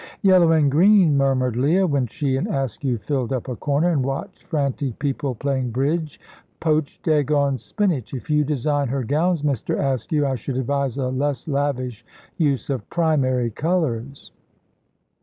"Yellow and green," murmured Leah, when she and Askew filled up a corner, and watched frantic people playing bridge; "poached egg on spinach. If you design her gowns, Mr. Askew, I should advise a less lavish use of primary colours."